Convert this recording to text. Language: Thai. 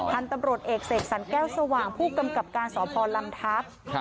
พันธุ์ตำรวจเอกเสกสรรแก้วสว่างผู้กำกับการสพลำทัพ